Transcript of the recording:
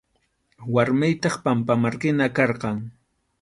Warmiytaq pampamarkina karqan.